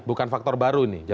bukan faktor baru nih